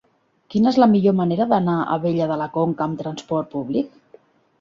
Quina és la millor manera d'anar a Abella de la Conca amb trasport públic?